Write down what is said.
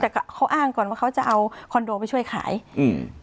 แต่เขาอ้างก่อนว่าเขาจะเอาคอนโดไปช่วยขายอืม